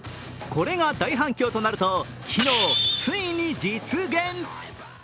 これが大反響となると、昨日、ついに実現。